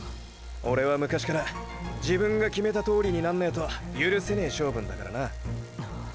オレは昔から自分が決めたとおりになんねーと許せねェ性分だからな。